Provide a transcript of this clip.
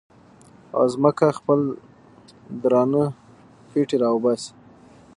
او ځمکه خپل درانه پېټي را وباسي